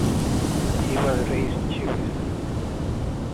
He was raised Jewish.